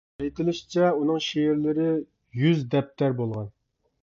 ئېيتىلىشىچە، ئۇنىڭ شېئىرلىرى يۈز دەپتەر بولغان.